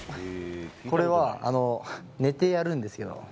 これは寝てやるんですけど。